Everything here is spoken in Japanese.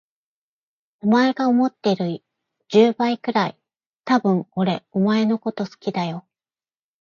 お前が思っている十倍くらい、多分俺お前のこと好きだよ。